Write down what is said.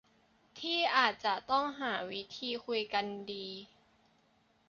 ที่อาจจะต้องหาวิธีคุยกันดี